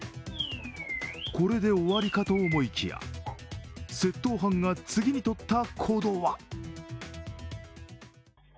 これで終わりかと思いきや、窃盗犯が次にとった行動は。